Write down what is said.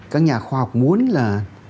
các nhà khoa học muốn là